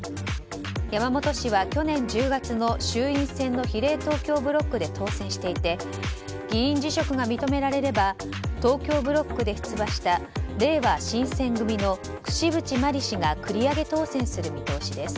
山本氏は去年１０月の衆院選の比例東京ブロックで当選していて議員辞職が認められれば東京ブロックで出馬したれいわ新選組の櫛渕万里氏が繰り上げ当選する見通しです。